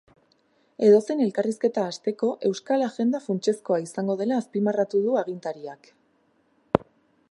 Edozein elkarrizketa hasteko, euskal agenda funtsezkoa izango dela azpimarratu du agintariak.